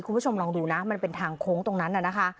คุณผู้ชมลองดูนะมันเป็นทางโค้งตรงนั้นน่ะนะคะ